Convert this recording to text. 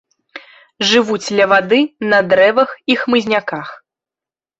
Жывуць ля вады, на дрэвах і хмызняках.